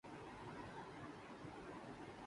کیا بھارت میں امن ہے؟